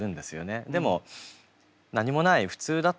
でも何もない普通だった分